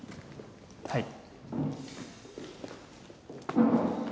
はい。